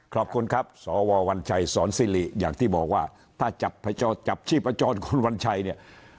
ขอบคุณครับสววัญชัยสอนซิริอย่างที่บอกว่าถ้าจับชีพจรคุณวัญชัยเนี่ย